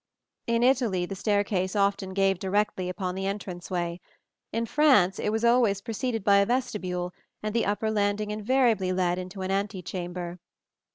In Italy the staircase often gave directly upon the entranceway; in France it was always preceded by a vestibule, and the upper landing invariably led into an antechamber.